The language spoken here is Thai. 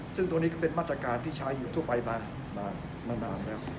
ซึ่งตัวนี้ก็เป็นมาตรการที่ใช้อยู่ทั่วไปมานานแล้ว